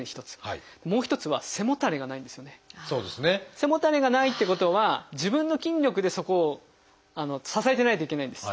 背もたれがないってことは自分の筋力でそこを支えてないといけないんです。